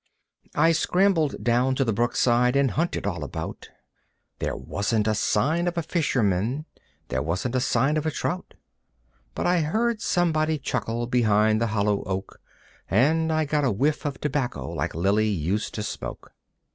I scrambled down to the brookside and hunted all about; There wasn't a sign of a fisherman; there wasn't a sign of a trout. But I heard somebody chuckle behind the hollow oak And I got a whiff of tobacco like Lilly used to smoke.